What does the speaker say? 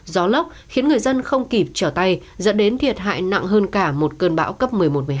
gió lốc khiến người dân không kịp trở tay dẫn đến thiệt hại nặng hơn cả một cơn bão cấp một mươi một một mươi hai